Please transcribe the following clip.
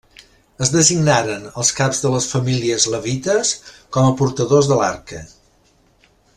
Es designaren els caps de les famílies levites com a portadors de l'Arca.